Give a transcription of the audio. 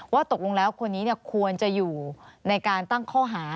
ว่าตกลงแล้วคนนี้ควรจะอยู่ในการตั้งข้อหา